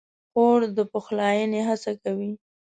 خور د پخلاینې هڅه کوي.